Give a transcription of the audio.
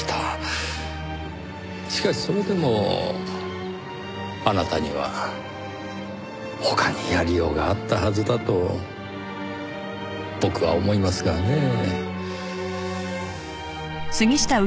しかしそれでもあなたには他にやりようがあったはずだと僕は思いますがねぇ。